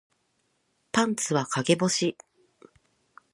パンツは陰干し